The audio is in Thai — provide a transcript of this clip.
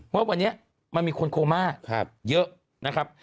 ว่าวันนี้มันมีคนโคม่าเยอะนะครับ